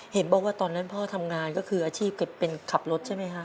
เห็นบอกว่าตอนนั้นพ่อทำงานก็คืออาชีพเก็บเป็นขับรถใช่ไหมคะ